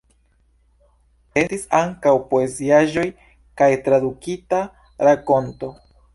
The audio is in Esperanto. Estis ankaŭ poeziaĵoj kaj tradukita rakonto.